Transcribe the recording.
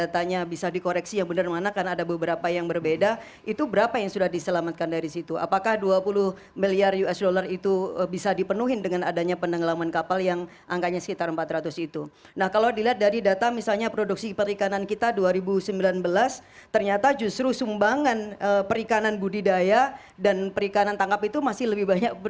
tadi yang dikatakan oleh miftah sabri tapi